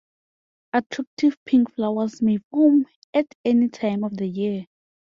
Attractive pink flowers may form at any time of the year.